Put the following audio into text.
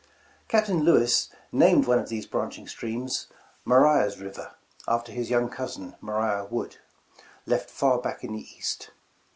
Captain Lewis named one of these branching streams '' Maria's River" after his young cousin, Maria Wood, left far back in the east.